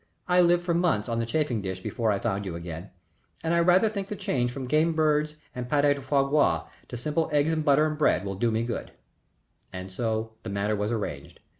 "I lived for months on the chafing dish before I found you again. And I rather think the change from game birds and pâté de foie gras to simple eggs and bread and butter will do me good." And so the matter was arranged.